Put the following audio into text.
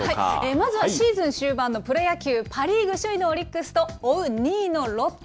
まずはシーズン終盤のプロ野球、パ・リーグ首位のオリックスと、追う２位のロッテ。